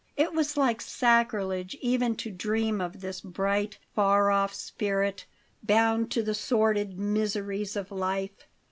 It was like sacrilege even to dream of this bright, far off spirit, bound to the sordid miseries of life.